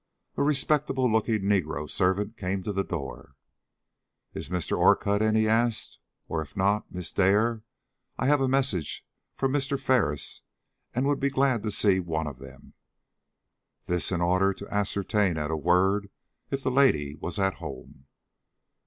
A respectable looking negro servant came to the door. "Is Mr. Orcutt in?" he asked; "or, if not, Miss Dare? I have a message from Mr. Ferris and would be glad to see one of them." This, in order to ascertain at a word if the lady was at home.